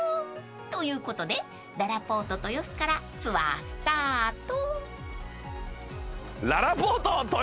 ［ということでららぽーと豊洲からツアースタート］